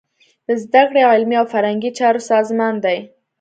د زده کړې، علمي او فرهنګي چارو سازمان دی.